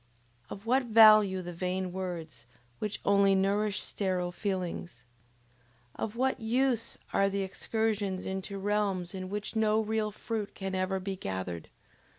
Of what value the vain words, which only nourish sterile feelings? Of what use are excursions into realms in which no real fruit can ever be gathered?